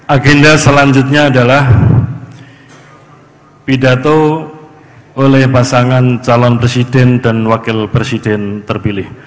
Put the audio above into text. agenda selanjutnya adalah pidato oleh pasangan calon presiden dan wakil presiden terpilih